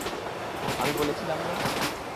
আমি বলেছিলাম না?